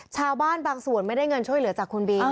ชาวบ้านบางส่วนไม่ได้เงินช่วยเหลือจากคุณบิน